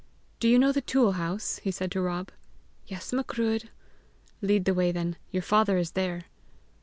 "Do you know the tool house?" he said to Rob. "Yes, Macruadh." "Lead the way then. Your father is there."